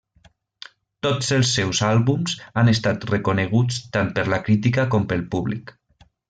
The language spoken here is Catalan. Tots els seus àlbums han estat reconeguts tant per la crítica com pel públic.